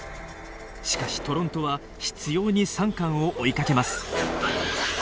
しかしトロントは執ようにサンカンを追いかけます。